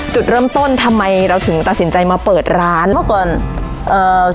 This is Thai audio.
จุดเริ่มต้นทำไมเราถึงตัดสินใจมาเปิดร้านเมื่อก่อนเอ่อ